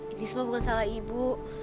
ini semua bukan salah ibu